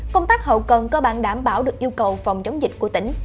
công tác hậu cần cơ bản đảm bảo được yêu cầu phòng chống dịch của tỉnh